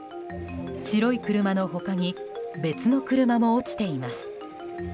白い車の他に別の車も落ちています。